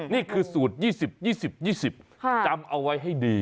นี่คือสูตร๒๐๒๐จำเอาไว้ให้ดี